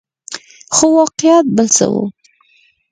خو واقعیت بل څه وو.